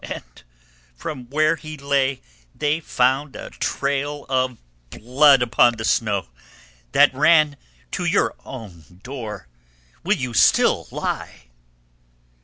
And from where he lay they found a trail of blood upon the snow that ran to your own door. Will you still lie?"